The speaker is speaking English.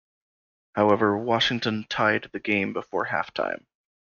However, Washington tied the game before halftime.